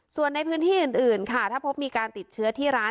ส่วนในพื้นที่อื่นค่ะถ้าพบมีการติดเชื้อที่ร้าน